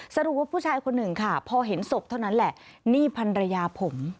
สรุปว่าผู้ชายคนหนึ่งค่ะพอเห็นศพเท่านั้นแหละนี่พันรยาผม